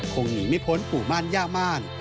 คงหนีไม่พ้นปู่ม่านย่าม่าน